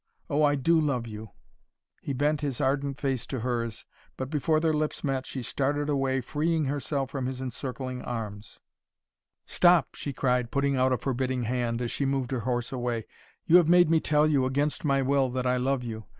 Oh, I do love you!" He bent his ardent face to hers, but before their lips met she started away, freeing herself from his encircling arms. "Stop!" she cried, putting out a forbidding hand, as she moved her horse away. "You have made me tell you, against my will, that I love you.